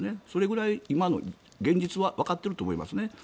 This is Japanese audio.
それぐらい現実はわかっていると思います。